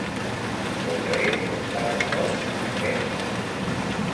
Lo que és estar de sort en aquest món